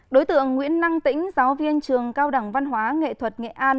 đối tượng nguyễn năng tĩnh giáo viên trường cao đẳng văn hóa nghệ thuật nghệ an